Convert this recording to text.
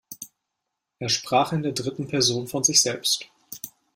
Er sprach in der dritten Person von sich selbst.